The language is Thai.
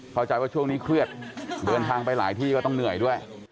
เข้าใจว่าช่วงนี้เครียดเดินทางไปหลายที่ก็ต้องเหนื่อยด้วย